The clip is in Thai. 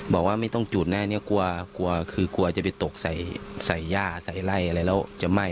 บอกว่าไม่ต้องจุดแน่เนี่ยกลัวกลัวคือกลัวจะไปตกใส่ย่าใส่ไล่อะไรแล้วจะไหม้